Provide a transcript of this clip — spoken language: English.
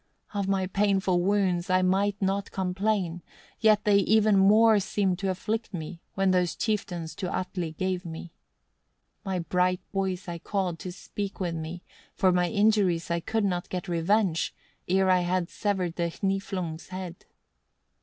11. "Of my painful wounds I might not complain; yet they even more seemed to afflict me, when those chieftains to Atli gave me. 12. "My bright boys I called to speak with me; for my injuries I could not get revenge, ere I had severed the Hniflungs' heads.